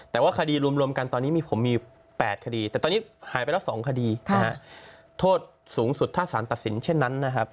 ถ้าส่งคดีนะฮะโทษสูงสุดท่าสารตัดสินเช่นนั้นนะครับ